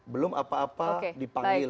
belum apa apa dipanggil